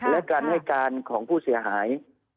และการให้การของผู้เสียหาย